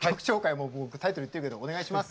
もうタイトル言ってるけどお願いします。